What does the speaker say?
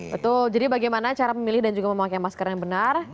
betul jadi bagaimana cara memilih dan juga memakai masker yang benar